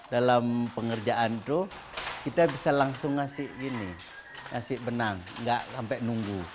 dalam pengerjaan itu kita bisa langsung ngasih benang enggak sampai nunggu